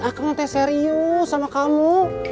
akang teh serius sama kamu